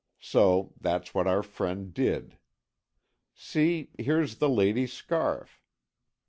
So that's what our friend did. See, here's the lady's scarf.